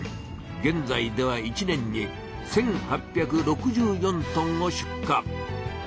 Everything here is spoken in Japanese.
げんざいでは一年に１８６４トンを出荷。